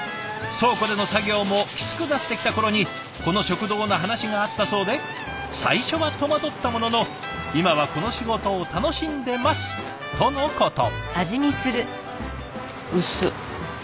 倉庫での作業もきつくなってきた頃にこの食堂の話があったそうで最初は戸惑ったものの今はこの仕事を楽しんでますとのこと。